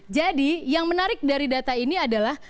jadi yang menarik dari data ini adalah